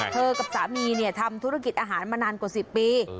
กับสามีทำธุรกิจอาหารมานานกว่า๑๐ปี